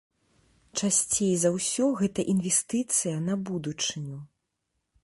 Часцей за ўсё гэта інвестыцыя на будучыню.